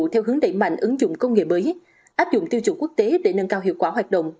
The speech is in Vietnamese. theo hướng đẩy mạnh ứng dụng công nghệ mới áp dụng tiêu chuẩn quốc tế để nâng cao hiệu quả hoạt động